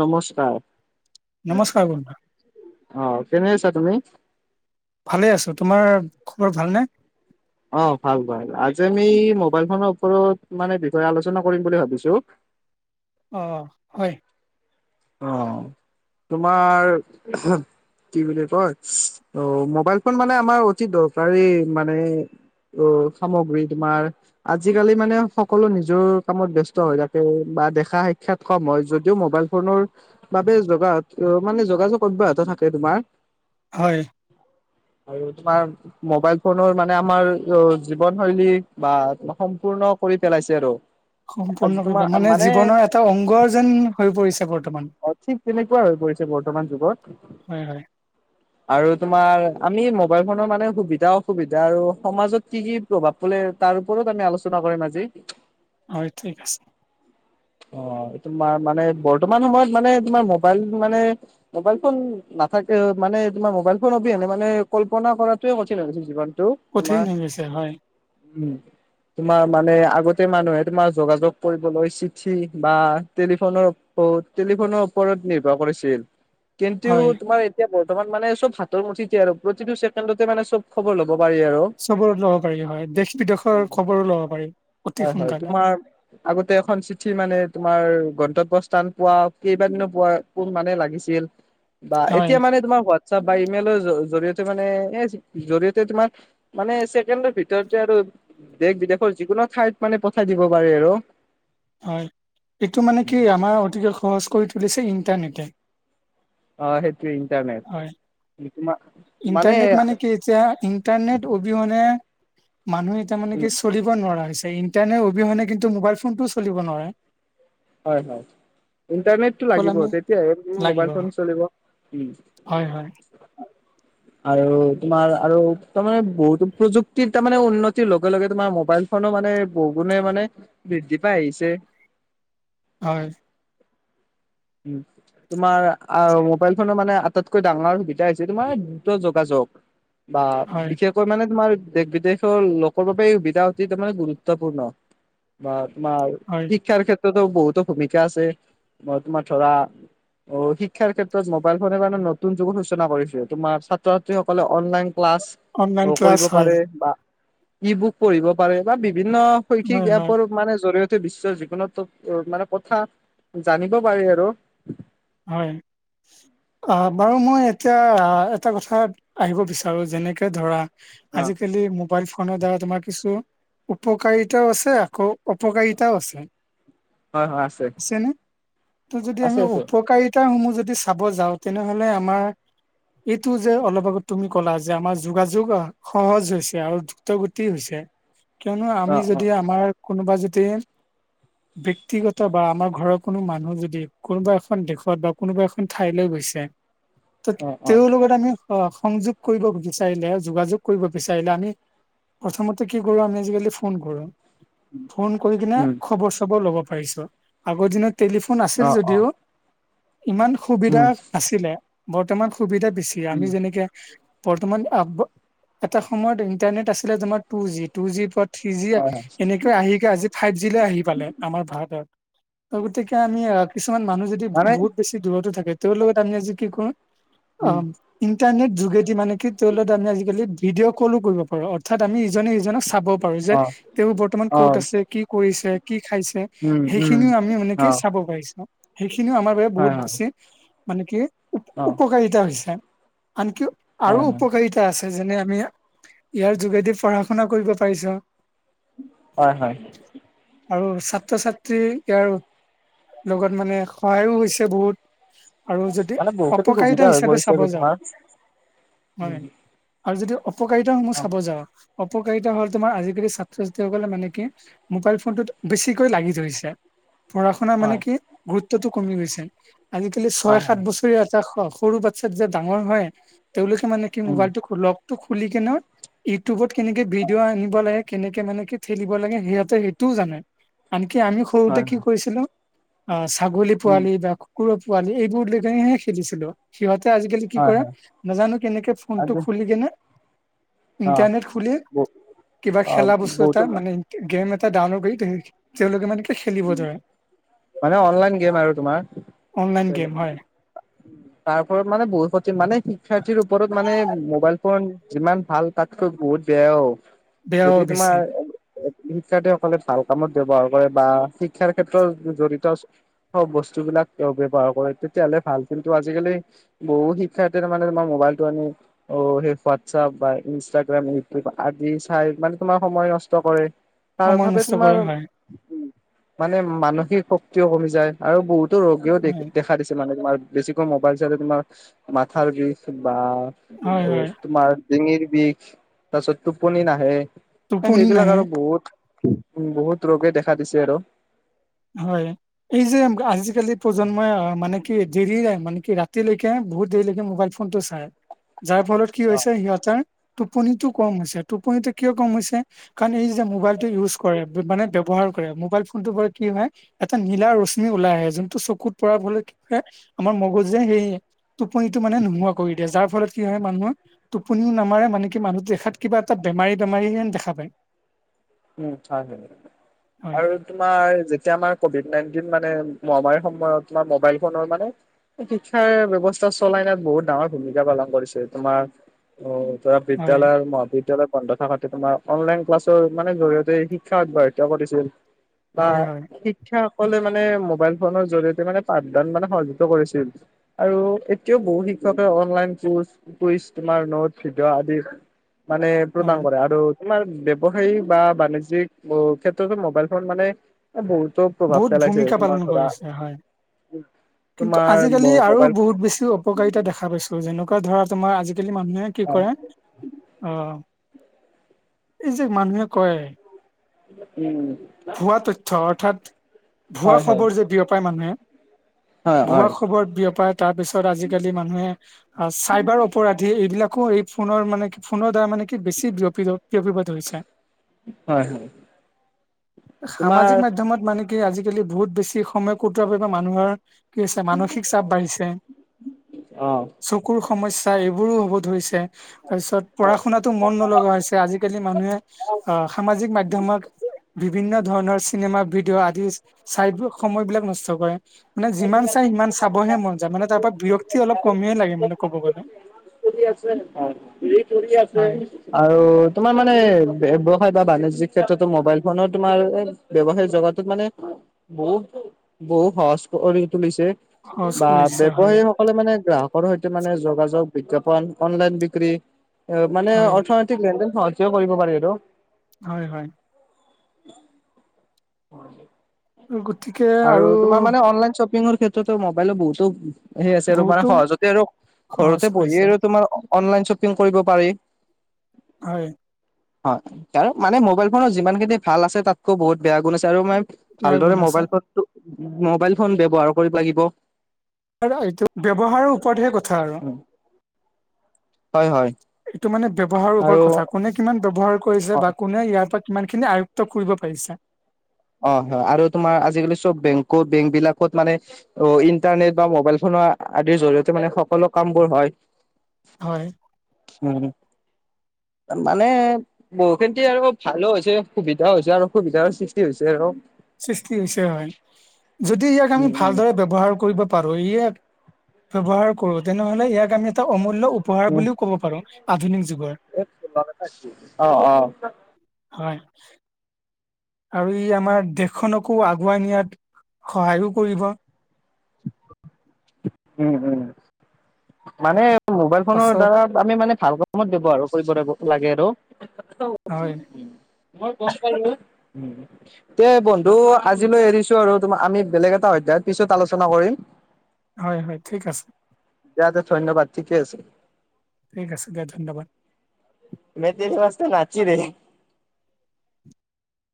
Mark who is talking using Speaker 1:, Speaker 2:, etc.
Speaker 1: নমস্কাৰ
Speaker 2: নমস্কাৰ বন্ধু
Speaker 1: আহ কেনে তুমি
Speaker 2: ভালে আছো তোমাৰ খবৰ ভালনে?
Speaker 1: অ', ভাল ভাল আজি আমি মোবাইল ফোনৰ ওপৰত মানে বিষয়ে আলোচনা কৰিম বুলি ভাবিছো।
Speaker 2: অ', হয়।
Speaker 1: অ', তোমাৰ কি বুলি কয় অ মোবাইল ফোন মানে আমাৰ অতি দৰকাৰী মানে অ', সামগ্ৰী তোমাৰ আজিকালি মানে সকলো নিজৰ কামত ব্যস্ত হৈ থাকে। বা দেখা সাক্ষাৎ কম হয় যদিও মোবাইল নৰ বাবে যোগা মানে যোগাযোগ অব্যাহত থাকে তোমাৰ।
Speaker 2: হয়।
Speaker 1: আৰু তোমাৰ মোবাইল ফোনৰ মানে আমাৰ জীৱনশৈলী বা তোমাৰ সম্পূণ পূৰ্ণ কৰি পেলাইছে আৰু। আজি
Speaker 2: সম্পূৰ্ণ কৰিব
Speaker 1: তোমাৰ
Speaker 2: মানে জীৱনৰ এটা অংগ যেন হৈ পৰিছে বৰ্ত
Speaker 1: অ', ঠিক তেনেকুৱা হৈ পৰিছে বৰ্তমান যুগত।
Speaker 2: হয় হয়
Speaker 1: আৰু তোমাৰ আমি মোবাইল ফোনৰ মানে সুবিধা অসুবিধা আৰু সমাজত কি কি প্ৰভাৱ পৰে তাৰ ওপৰত আমি আলোচনা কৰো। কৰিম আজি।
Speaker 2: হয়, ঠিক আছে।
Speaker 1: অ', এইটো ম মানে বৰ বৰ্তমান সময়ত মানে তোমাৰ মোবাইল মানে মোবাইল ফোন নাথাকে মানে তোমাৰ মোবাইল ফোন অবি মানে মানে কল্পনা কৰাটোোৱে কঠি লাগ জীৱ।
Speaker 2: কঠিন হৈ গৈছে হয়।
Speaker 1: উম। তোমাৰ মানে আগতে মানুহে তোমাৰ যোগাযোগ কৰিবলৈ চিঠি বা টেলিফোনৰ টেলিফোনৰ ওপৰত নিৰ্ভৰ কৰিছিল। কিন্তু
Speaker 2: হয়
Speaker 1: তোমাৰ এতিয়া ৰ্তমান মানে হাতৰ মুঠিতে আৰু প্ৰতিটো ছেকেডতে মানে চব খবৰ ল
Speaker 2: চবৰে লব পাৰি হয় দেশ বিদেশৰ খবৰো ল'ব পাৰি অতি
Speaker 1: হয় হয়
Speaker 2: সোনকালে।
Speaker 1: তোমাৰ আগতে এখন চিঠি মানে তোমাৰ গ গৰ্তব্য স্থান পোৱা কেইবাদিনো পোৱা কোন মানে লাগিছিল বা
Speaker 2: হয়
Speaker 1: এতিয়া মানে তোমাৰ চ বা ইমেইলৰ জৰিয়তে মানে এ জৰিয়তে তোমাৰ মানে ছেকেণ্ডৰ ভিতৰতে আৰু দেশ বিদেশৰ যিকোনো ঠাইত মানে পঠাই দিব পাৰে আৰু।
Speaker 2: হয় এইটো মানে কি আমাৰ অতিকে সহজ কৰি তুলিছে ইণ্টাৰনেটে।
Speaker 1: অ', সেইেতো ইটাৰনেট।
Speaker 2: হয় ইণ্টাৰনেট মানে কি হৈছে ইণ্টাৰনেট অবিহনে মানুহে এতিয়া মানে
Speaker 1: উম
Speaker 2: কি চলিব নোৱাৰা হৈছে। ইণ্টাৰনেট অবিহনে কিন্তু মোবাইল ফোনটোও চলিব নোৱাৰে।
Speaker 1: হয়, হয়। ইণ্টাৰনেটটো
Speaker 2: অকল
Speaker 1: লাগিব
Speaker 2: আমি
Speaker 1: তেতিয়া হে
Speaker 2: লাগিব
Speaker 1: মোবাইল ফোন চলিব। উম।
Speaker 2: [inaudible]
Speaker 1: আৰু তোমাৰ আৰু তাৰমানে বহুতো প্ৰযুক্তিৰ তাৰমানে উন্নতিৰ লগে লগে তোমাৰ মোবাইল নো মানে বহুগুণে মানে বৃদ্ধি পাই আহিছে।
Speaker 2: হয়।
Speaker 1: উ তোমাৰ অ', মোবাইল ফোনৰ মানে আটাইতকৈ ডাঙৰ সুবিধা হৈছে তোমাৰ দ্ৰুত যোগাযোগ বা
Speaker 2: হয়
Speaker 1: বিশেষকৈ মানে তোমাৰ দেশ বিদেশৰ লোকৰ বাবে সুবিধা অতি তাৰমানে গুৰুত্বপূৰ্ণ বা তোমাৰ
Speaker 2: হয়
Speaker 1: শিক্ষাৰ ক্ষেত্ৰতো বহুতো ভূমিকা আছে, মই তোমাৰ ধৰা অ', শিক্ষাৰ ক্ষেত্ৰত মোবাইল ফোনে মানে নতুন যুগৰ সূচনা কৰিছে। তোমাৰ ছাত্ৰ ছাত্ৰীসকলে অনলাইন ক্লাচ
Speaker 2: অনলাইন ক্লাছ
Speaker 1: কৰিব
Speaker 2: হয়
Speaker 1: পাৰে বা ই বুক পঢ়িব পাৰে বা বি বিভিন্ন শৈক্ষিক
Speaker 2: হয় হয়
Speaker 1: এপৰ মানে জৰিয়তে বিশ্বৰ যিকোনো মানে কথা জানি দিব পাৰি আৰু।
Speaker 2: হয়। অ', বাৰু মই এতিয়া এটা কথাত আহিব বিচাৰো যেনেকে ধৰা।
Speaker 1: অ
Speaker 2: আজি কালি মোবাইল ফোন নৰ দ্বাৰা তোমাৰ কিছু উপকাৰিতাও আছে, আকৌ অপকাৰিতাও আছে।
Speaker 1: হয় হয় আছে
Speaker 2: আছেনে? ত' যদি আমি
Speaker 1: আছে
Speaker 2: অ
Speaker 1: আছে
Speaker 2: কেইটা সমূহ যদি চাব যাওঁ তেনেহ'লে আমাৰ এইটো যে অলপ আগত তুমি ক'লা যে আমাৰ যোগাযোগ সহজ হৈছে আৰু দ্ৰুতগতি হৈছে কিয়নো আমি
Speaker 1: অ অ
Speaker 2: যদি আমাৰ কোনোবা যদি ব্যক্তিগত বা আমাৰ ঘৰৰ কোনো মানুহ যদি কোনোবা এখন দেশত বা কোনোবা এখন ঠাইলৈ গৈছে, ত'
Speaker 1: অ অ
Speaker 2: তেওঁৰ লগত আমি অ', সংযোগ কৰিব বিচাৰিলে যোগাযোগ কৰিব বিচাৰিলে আমি প্ৰথমতে কি কৰো আমি আজিকালি ফোন কৰো ফোন কৰি কিনে
Speaker 1: উম
Speaker 2: খবৰ-চবৰ ল'ব পাৰিছো, আগৰ দিনত টেলিফোন আছিল
Speaker 1: অ অ
Speaker 2: যদিও ইমান সুবিধা
Speaker 1: উম
Speaker 2: নাছিলে, বৰ্তমান সুবিধা বেছি,
Speaker 1: উম
Speaker 2: আমি যেনেকে বৰ্তমান আ এটা সময়ত ইণ্টাৰনেট আছিলে তোমাৰ টু জি, টু জিৰ থ্ৰী জি,
Speaker 1: হয় হয়
Speaker 2: এনেকে আহিকে আজি ফাইভ জিলৈ আহি পালে আমাৰ ভাৰতত। অ', গতিকে আমি আহ কিছুমান মানুহ যদি
Speaker 1: মানে
Speaker 2: বহুত বেছি দূৰতো থাকে তেওঁৰ লগত আমি আজি কি কৰো
Speaker 1: উম
Speaker 2: অ', ইন ইন্টাৰনেট যোগেদি মানে কি তেওঁ লগত আমি আজিকালি ভিডিঅ' কলো কৰিব পাৰোঁ, অৰ্থাৎ আমি ইজনে ইজনক চাব পাৰো যে,
Speaker 1: অ
Speaker 2: তেওঁ বৰ্তমান
Speaker 1: অ
Speaker 2: ক'ত আছে, কি কৰিছে কি খাইছে,
Speaker 1: উম উম
Speaker 2: সেইখিনিও আমি মানে কি
Speaker 1: অ
Speaker 2: চাব পাৰিছো। কিন্তু আমাৰ বাবে
Speaker 1: হয়
Speaker 2: বহুত
Speaker 1: হয়
Speaker 2: বেছি মানে কি উপ-
Speaker 1: অ
Speaker 2: উপকাৰিতা হৈছে। আনকি
Speaker 1: হয়
Speaker 2: আৰু
Speaker 1: হয়
Speaker 2: উপকাৰিতা আছে আ, যেনে আমি ইয়াৰ যোগেদি পঢ়া শুনা কৰিব পাৰিছোঁ।
Speaker 1: হয় হয়।
Speaker 2: আৰু ছাত্ৰ ছাত্ৰী ইয়াৰ লগত মানে সহায়ো হৈছে বহুত। আৰু যদি
Speaker 1: মানে বহুতো
Speaker 2: অপকাৰিতা
Speaker 1: সুবিধা হৈ
Speaker 2: হিচাপে
Speaker 1: পৰিছে
Speaker 2: চাব
Speaker 1: আৰু
Speaker 2: যাওঁ,
Speaker 1: তোমাৰ উম
Speaker 2: হয় আৰু যদি অপকাৰিতাসমূহ
Speaker 1: অ
Speaker 2: চাব যাওঁ অপকাৰিতা হ'ল তোমাৰ আজিকালি ছাত্ৰ ছাত্ৰীসকলে মানে কি মোবাইল ফোনটোত বেছিকৈ লাগি ধৰিছে পঢ়া শুনা মানে
Speaker 1: হয়
Speaker 2: কি গুৰুত্বটো কমি গৈছে, আজিকালি ছয়
Speaker 1: হয়
Speaker 2: সাত
Speaker 1: হয়
Speaker 2: বছৰীয়া চা সৰু বাচ্ছা যে ডাঙৰ হয় তেওঁলোকে মানে কি
Speaker 1: উম
Speaker 2: মোবাইলটো লগটো খুলি কেনে ইউটিউবত কেনেকে ভিডিঅ' আনিব লাগে, কেনেকে মানে কি ঠেলিব লাগে সিহঁতে সেইটোও জানে। আনকি আমি সৰুতে
Speaker 1: হয়
Speaker 2: কি
Speaker 1: হয়
Speaker 2: কৰিছিলো অ', ছাগলী
Speaker 1: উম
Speaker 2: পোৱালি বা কুকুৰৰ পোৱালি এইবোৰ লৈকেনে হে খেলিছিলোঁ, সিহঁতে আজিকালি কি
Speaker 1: হয়
Speaker 2: কৰে
Speaker 1: হয়
Speaker 2: নাজানো কেনেকে ফোনটো
Speaker 1: আজি
Speaker 2: খুলিকেনে
Speaker 1: অ
Speaker 2: ইণ্টাৰনেট খুলি
Speaker 1: ব
Speaker 2: কিবা
Speaker 1: অ
Speaker 2: খেলা বস্তু এটা
Speaker 1: বহুতো
Speaker 2: মানে, গেম এ এটা ডাউনলড কৰি তেওঁলোকে মানে কি খেলিব ধৰে
Speaker 1: মানে অনলাইন গেম আৰু
Speaker 2: অনলাইন
Speaker 1: তোমাৰ
Speaker 2: গেম হয়
Speaker 1: তাৰ ওপৰত মানে বহুত ক্ষতি মানে শিক্ষাৰ্থীৰ ওপৰত মানে মোবাইল ফোন যিমান ভাল তাতকৈ ব বহুত বেয়াও,
Speaker 2: বেয়াও
Speaker 1: যদি
Speaker 2: বেছি
Speaker 1: তোমাৰ শিক্ষাৰ্থীসকলে ভাল কামত ব্যৱহাৰ কৰে বা শিক্ষাৰ ক্ষেত্ৰত জড়িত বস্তুবিলাক তেওঁ ব্যৱহাৰ কৰে। তেতিয়াহ'লে ভালছিল। আজিকালি বহু শিক্ষা তাৰ মোৰ মোবাইলতটো আনি অ' সেই হোৱাটছআপ বা ইনষ্টা আদি চাই মানে তোমাৰ সময় নষ্ট কৰে। তাৰ
Speaker 2: সময়
Speaker 1: ভাবে
Speaker 2: নষ্ট
Speaker 1: তোমাৰ
Speaker 2: কৰে হয়
Speaker 1: মানে মানসিক শক্তিও কমি যায় আৰু বহুত ৰোগীও
Speaker 2: হয়
Speaker 1: দেখা দিছে মানে তোমাৰ বেছিকৈ মোবাইল চাইে তোমাৰ মাথাৰ বিষ। বা
Speaker 2: হয় হয়
Speaker 1: তোমাৰ ডিঙিৰ বিষ, তাৰপিছত টোপনি নাহে।
Speaker 2: টোপনি
Speaker 1: সেইবিলাক
Speaker 2: নাহে
Speaker 1: আৰু বহুত বহুত ৰোগে দেখা দিছে আৰু।
Speaker 2: হয় এই যে আজিকালি প্ৰজন্মই মানে কি দেৰি নাই মানে কি ৰাতিলৈকে বহুত দেৰিলৈকে মোবাইল ফোন টো চাই। যাৰ ফলত কি
Speaker 1: অ
Speaker 2: হৈছে, সিহঁতৰ টোপনিটো কম হৈছে, টোপনিটো কিয় কম হৈছে কাৰণ এইযে। যে মোবাইলটো ইউজ কৰে, মানে ব্যয়হাৰ কৰে, মোবাইল ফোনটো বাৰু কি হয় এটা নীলা ৰশ্মি ওলাই আহে, যোনটো চকুত পৰা ফলে কি হয়, আমাৰ মগজুে হেৰি টোপনিটো মানে নোহোৱা কৰি দিয়ে যাৰ ফলত কি হয় মানুহৰ টোপনিও নামাৰে মানে কি মানুহ দেখাত কিবা এটা বেমাৰী বেমাৰী হেন দেখা পায়।
Speaker 1: উম, হয়, হয়
Speaker 2: হয়,
Speaker 1: আৰু তোমাৰ যেতিয়া। এতিয়া আমাৰ কভিড নাইনটিন মানে মহামাৰীৰ সময়ত তোমাৰ মোবাইল ফোনৰ মানে শিক্ষাৰ ব্যয়ৱস্থা চলাইনাত বহুত ডাঙৰ ভূমিকা পালন কৰিছে তোমাৰ অ'। ধৰা
Speaker 2: হয়,
Speaker 1: বিদ্যালয়ৰ মহাবিদ্য়ালয় বন্ধ থকাতে তোমাৰ অনলাইন ক্লাছৰ। মানে জৰিয়তে শিক্ষা অব্যাহিত কৰিছিল বা
Speaker 2: হয়, হয়,
Speaker 1: শিক্ষা সকলে মানে মোবাইল ফোনৰ জৰিয়িয়তে মানে পাঠদান মানে সংযক্ত কৰিছিল আৰু এতিয়াও বহু শিক্ষ অনলাইন যোচ কুইজ তোমাৰ নোট ভিডিঅ' আদি। মানে
Speaker 2: হয়।
Speaker 1: প্ৰদান কৰে আৰু তোমাৰ ব্যবসায়। স, বা বাণিজ্যিক ক্ষেত্ৰতো মোবাইল ফোন মানে বহুত চব প্ৰভাৱ
Speaker 2: বহুত
Speaker 1: পেলাইছে
Speaker 2: ভূমিকা
Speaker 1: তোমাৰ
Speaker 2: পালন
Speaker 1: ধৰা।
Speaker 2: কৰিছে হয়। কিন্তু
Speaker 1: তোমাৰ
Speaker 2: আজিকালি আৰু
Speaker 1: মোবাইল
Speaker 2: বহুত বেছি অপকাৰিতা দেখা পাইছো যেনেকুৱা ধৰাক। তোমাৰ আজিকালি মানুহে কি কৰে অ, এই যে মানুহে কয়।
Speaker 1: উম।
Speaker 2: ভুৱা তথ্য অৰ্থাৎ ভুৱা
Speaker 1: হয় হয়
Speaker 2: খবৰ যে বিয়পায় মানুহে
Speaker 1: হয়
Speaker 2: ভুৱা
Speaker 1: হয়
Speaker 2: খবৰ বিয়পায়। তাৰ পিছত আজিকালি মানুহে চাইবাৰ অপৰাধী এইবিলাক আকৌ এই ফোনৰ মানে কি ফোনৰ দ্বাৰা মানে কি বেছি বিয়প-বিয়পিব ধৰিছে
Speaker 1: হয়। তোমাৰ
Speaker 2: সামাজিক মাধ্যমত মানে কি আজিকালি বহুত বেছি সময় কটোৱা বাবে মানুহৰ কি হৈছে মানসিক চাপ বাঢ়িছে
Speaker 1: অ
Speaker 2: চকুৰ। সমস্যা এইবোৰো হ'ব ধৰিছে। তাৰ পিছত পঢ়া শুনাটো মন নলগা হৈছে আজিকালি মানুহে আহ সামাজিক মাধ্যমত। বিভিন্ন ধৰণৰ চিনেমা ভিডিঅ' আদি চাই সময়বিলাক নষ্ট কৰে। মানে যিমান চাই সিমান চাবহে মন যায়, মানে তাৰ পৰাৰা বিৰক্তি অলপ কমিহেয়েই লাগে মানে ক'ব গ'লে। হয়
Speaker 1: [unintelligible] আৰু তোমাৰ মানে ব্যবসায় বাণিজ্যিক ক্ষেত্ৰতো মোবাইল ফোন তোমাৰ ব্যবসায় জগাটোত মানে। বহুত, বহু সহচ কৰি তুলিছে।
Speaker 2: সহজ
Speaker 1: বা
Speaker 2: কৰি দিছে হয়
Speaker 1: ব্যৱসায়ী সকলে মানে গ্ৰাহকৰ সৈতে মানে যোগাযোগ বিতৰ্ক। অনলাইন বিক্ৰী মানে,
Speaker 2: হয়
Speaker 1: অৰ্থনৈতিক লেনদেন সহজ কৰিব পাৰি আৰু।
Speaker 2: হয়, হয়।
Speaker 1: হয়। আৰু তোমাৰ মানে অনলাইন শ্বপিংৰ ক্ষেত্ৰত তু, মোবাইলৰ বহুতো সেই আছে আৰু মানে
Speaker 2: বহুতো
Speaker 1: সহজতে আৰু
Speaker 2: সহজ
Speaker 1: ঘৰতে বহি
Speaker 2: কৰিছে
Speaker 1: আৰু তোমাৰ অনলাইন শ্বপিং কৰিব পাৰি।
Speaker 2: হয়।
Speaker 1: হয় আৰু মানে মোবাইল ফোনৰত যিমান খিনি ভাল আছে তাতকৈ বহুত বেয়া গুণ আছে আৰু মানে
Speaker 2: ইয়াৰ গুণ
Speaker 1: ভালদৰে
Speaker 2: আছে।
Speaker 1: মোবাইল ফোনটো মোবাইল ফোন ব্যৱহাৰ কৰিব লাগিব।
Speaker 2: এইটো ব্যৱহাৰৰ ওপৰতহে কথা আৰু।
Speaker 1: হয় হয়
Speaker 2: এইটো মানে ব্যৱহাৰ
Speaker 1: আৰু
Speaker 2: ওপৰ কথা কোনে কিমান ব্যৱহাৰ
Speaker 1: অ
Speaker 2: কৰিছে বা কোনে ইয়াৰ পৰা কিমানখিনি আয়ুক্ত কৰিব পাৰিছা।
Speaker 1: অ', হয় আৰু তোমাৰ আজিকালি চব বেং বেংকবিলাকত মানে অ' ইন্টাৰনেট বা মোবাইল ফোন আদিৰ জৰিয়তে মানে সকলো কামবোৰ হয়।
Speaker 2: হয়।
Speaker 1: উম। মানে বহুখিনতে আৰু ভালো হৈছে সুবিধাও হৈছে আৰু অসুবিধাৰ সৃষ্টি হৈছে আৰু।
Speaker 2: সৃষ্টি হৈছে হয়। যদি ইয়াক আমি
Speaker 1: উম উম
Speaker 2: ভালদৰে ব্যৱহাৰ কৰিব পাৰো ইয়ে এক ব্যৱহাৰ কৰো তেনেহ'লে ইয়াক আমি এটা অমোদ উপহাৰ
Speaker 1: উম
Speaker 2: বুলিও ক'ব পাৰো আধুনিক যুগৰ।
Speaker 1: অ অ
Speaker 2: হয়। আৰু ই আমাৰ দেশখনকো আগুৱাই নিয়াত সহায়ো কৰিব।
Speaker 1: উম, উম মানে মোবাইল ফোনৰ
Speaker 2: পাছত
Speaker 1: দ্বাৰা আমি মানে ভাল কামত দিব আৰু কৰিব লাগিব লাগে আৰু।
Speaker 2: হয়
Speaker 1: [unintelligible] তে বন্ধু আজিলৈ এৰিছো আৰু তোমাৰ আমি বেলেগ এটা অধ্যায় ইয়াৰ পিছত আলোচনা কৰিম।
Speaker 2: হয়, হয় ঠিক আছে।
Speaker 1: দিয়া তে ধন্যবাদ ঠিকে আছে।
Speaker 2: ঠিক আছে দিয়া ধন্যবাদ।
Speaker 1: মই [unintelligible]